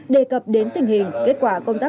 đề cập đến tình hình kết quả công an